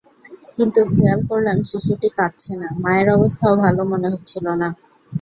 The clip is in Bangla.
কিন্তু খেয়াল করলাম, শিশুটি কাঁদছে না, মায়ের অবস্থাও ভালো মনে হচ্ছিল না।